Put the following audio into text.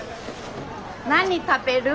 何食べる？